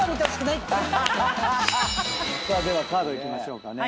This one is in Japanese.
ではカードいきましょうかね。